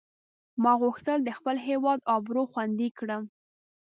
ما غوښتل د خپل هیواد آبرو خوندي کړم.